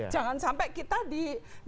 jangan sampai kita di